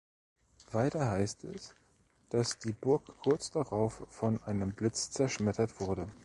Weiter heißt es, dass die Burg kurz darauf von einem Blitz zerschmettert wurde.